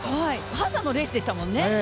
ハッサンのレースでしたもんね。